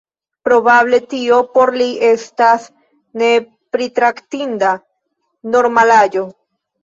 Probable tio por li estas nepritraktinda normalaĵo.